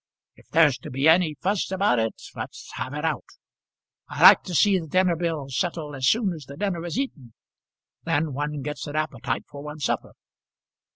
If there's to be any fuss about it, let's have it out. I like to see the dinner bill settled as soon as the dinner is eaten. Then one gets an appetite for one's supper."